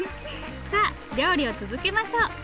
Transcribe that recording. さあ料理を続けましょう。